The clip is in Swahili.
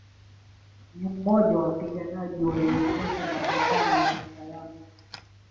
Ni mmoja wa wapiganaji walioendesha mapambano ya kisayansi